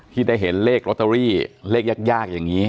ที่ได้เห็นเลขลอตเตอรี่เลขยากอย่างนี้